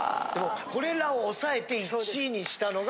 これらを抑えて１位にしたのが。